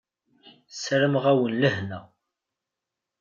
Sarameɣ-awen lehna.